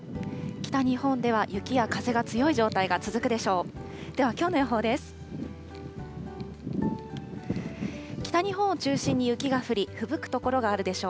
北日本では雪や風が強い状態が続くでしょう。